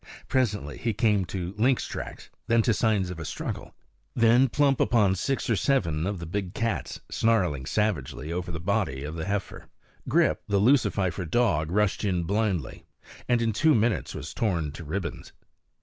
Presently he came to lynx tracks, then to signs of a struggle, then plump upon six or seven of the big cats snarling savagely over the body of the heifer. Grip, the lucififer dog, rushed in blindly, and in two minutes was torn to ribbons.